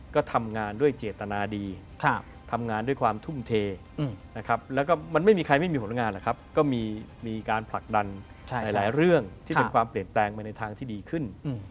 ก็ทำงานด้วยเจตนาดีทำงานด้วยความทุ่มเทนะครับแล้วก็มันไม่มีใครไม่มีผลงานหรอกครับก็มีการผลักดันหลายเรื่องที่เป็นความเปลี่ยนแปลงไปในทางที่ดีขึ้น